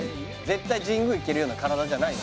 絶対神宮行けるような体じゃない。